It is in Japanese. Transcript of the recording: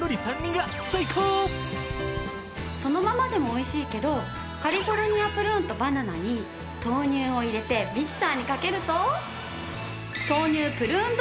そのままでも美味しいけどカリフォルニアプルーンとバナナに豆乳を入れてミキサーにかけると豆乳プルーンドリンクの出来上がり！